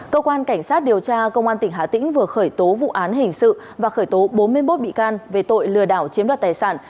cơ quan cảnh sát điều tra công an tỉnh hà tĩnh vừa khởi tố vụ án hình sự và khởi tố bốn mươi một bị can về tội lừa đảo chiếm đoạt tài sản